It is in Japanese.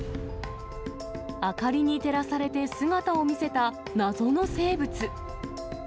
明かりに照らされて姿を見せた謎の生物。